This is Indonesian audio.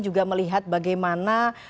juga melihat bagaimana